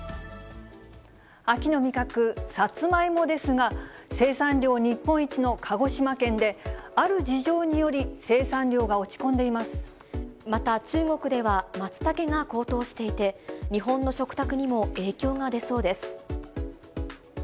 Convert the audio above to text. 秋の味覚、サツマイモですが、生産量日本一の鹿児島県で、ある事情により生産量が落ち込んまた、中国ではマツタケが高騰していて、日本の食卓にも影響が出そうです。